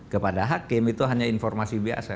kepada hakim itu hanya informasi biasa